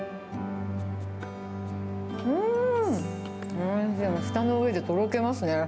おいしい、舌の上でとろけますね。